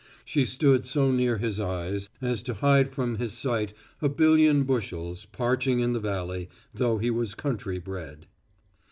She stood so near his eyes as to hide from his sight a billion bushels parching in the valley though he was country bred.